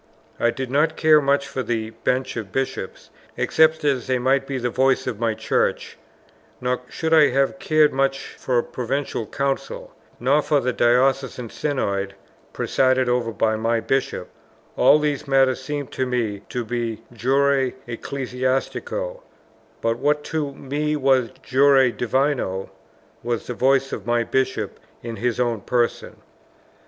I did not care much for the Bench of Bishops, except as they might be the voice of my Church: nor should I have cared much for a Provincial Council; nor for a Diocesan Synod presided over by my Bishop; all these matters seemed to me to be jure ecclesiastico, but what to me was jure divino was the voice of my Bishop in his own person.